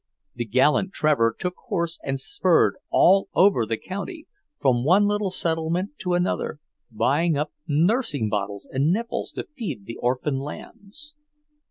The gallant Trevor took horse and spurred all over the county, from one little settlement to another, buying up nursing bottles and nipples to feed the orphan lambs.